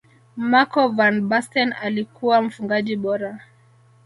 marco van basten alikuwa mfungaji bora